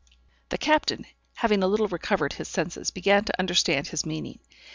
The captain, having a little recovered his senses, began to understand his meaning.